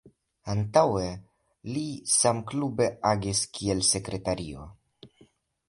Antaŭe li samklube agis kiel sekretario.